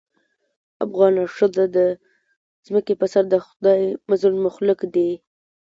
افغانه ښځه د ځمکې په سر دخدای مظلوم مخلوق دې